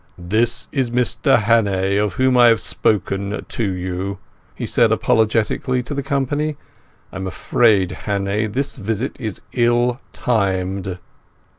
"This is Mr Hannay, of whom I have spoken to you," he said apologetically to the company. "I'm afraid, Hannay, this visit is ill timed."